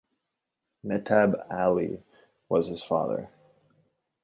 Mehtab Ali was his father.